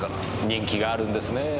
人気があるんですねぇ。